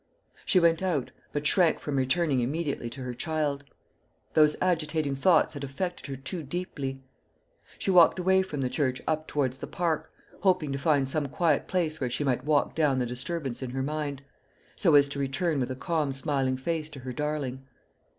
She went out, but shrank from returning immediately to her child. Those agitating thoughts had affected her too deeply. She walked away from the church up towards the park, hoping to find some quiet place where she might walk down the disturbance in her mind, so as to return with a calm smiling face to her darling.